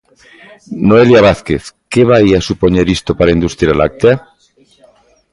Noelia Vázquez, que vai a supoñer isto para a industria láctea?